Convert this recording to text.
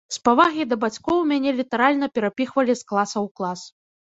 З павагі да бацькоў мяне літаральна перапіхвалі з класа ў клас.